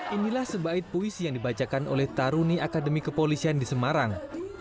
inilah sebaik puisi yang dibacakan oleh taruni akademi kepolisian di semarang